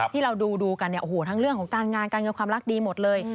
ที่เราดูกันเนี่ยโอ้โหทั้งเรื่องของการงานการเงินความรักดีหมดเลย